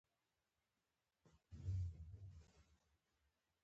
دا نیم دی